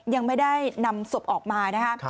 ยังไม่ได้นำศพออกมานะคะ